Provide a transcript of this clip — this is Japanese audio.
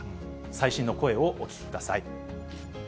最新の声をお聞きください。